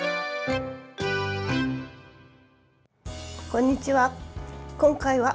こんにちは。